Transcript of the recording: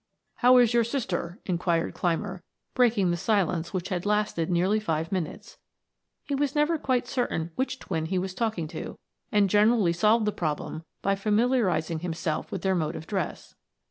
"How is your sister?" inquired Clymer, breaking the silence which had lasted nearly five minutes. He was never quite certain which twin he was talking to, and generally solved the problem by familiarizing himself with their mode of dress.